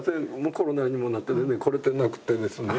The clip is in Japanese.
コロナにもなっててね来れてなくてですね